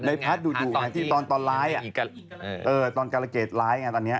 ในพาร์ทดูดูไงที่ตอนร้ายอ่ะตอนการเกรดร้ายไงตอนเนี้ย